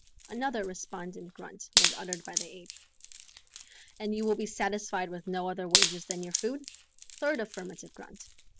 Another respondent grunt was uttered by the ape. "And you will be satisfied with no other wages than your food?" Third affirmative grunt.